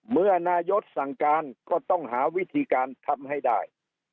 เมื่อนายกสั่งการก็ต้องหาวิธีการทำให้ได้